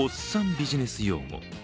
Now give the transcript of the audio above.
ビジネス用語。